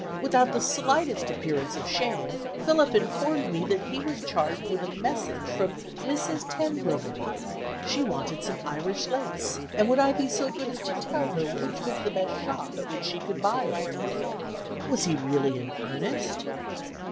Without the slightest appearance of shame, Philip informed me that he was charged with a message from Mrs. Tenbruggen! She wanted some Irish lace, and would I be so good as to tell her which was the best shop at which she could buy it? Was he really in earnest?